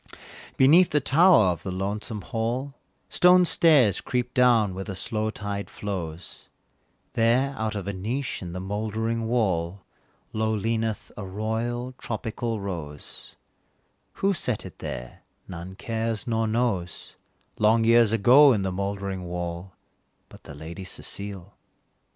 Beneath the tower of the lonesome hall, Stone stairs creep down where the slow tide flows, There, out of a niche in the mouldering wall, Low leaneth a royal tropical rose: Who set it there none cares, nor knows, Long years ago in the mouldering wall, But the Lady Cecile.